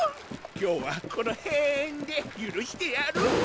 今日はこの屁んでゆるしてやる！